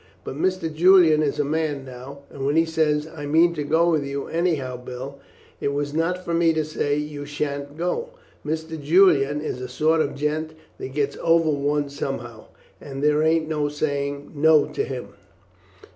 But Mr. Julian is a man now, and when he says, 'I mean to go with you anyhow, Bill,' it was not for me to say, you sha'n't go. Mr. Julian, he is a sort of gent that gets over one somehow, and there ain't no saying 'no' to him."